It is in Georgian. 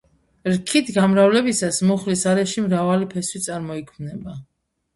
რქით გამრავლებისას მუხლის არეში მრავალი ფესვი წარმოიქმნება.